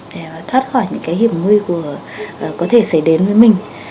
để thoát khỏi những cái hiểm nguy có thể xảy đến với mình